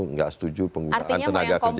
nggak setuju penggunaan tenaga kerja